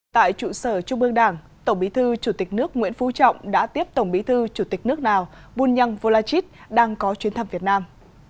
tại trụ sở trung ương đảng tổng bí thư chủ tịch nước nguyễn phú trọng đã tiếp tổng bí thư chủ tịch nước nào bunyang volachit đang có chuyến thăm việt nam